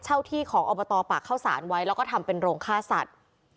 ที่ของอบตปากเข้าสารไว้แล้วก็ทำเป็นโรงฆ่าสัตว์